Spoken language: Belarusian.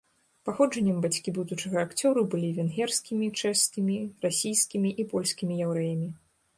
Паходжаннем бацькі будучага акцёру былі венгерскімі, чэшскімі, расійскімі і польскімі яўрэямі.